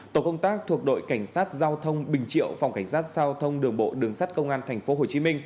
tổ công tác thuộc đội cảnh sát giao thông bình triệu phòng cảnh sát giao thông đường bộ đường sát công an tp hcm